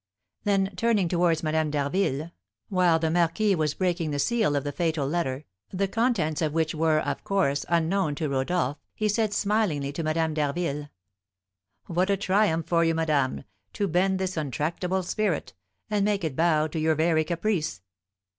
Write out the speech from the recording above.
Then turning towards Madame d'Harville, while the marquis was breaking the seal of the fatal letter, the contents of which were, of course, unknown to Rodolph, he said, smilingly, to Madame d'Harville: "What a triumph for you, madame, to bend this untractable spirit, and make it bow to your very caprice!"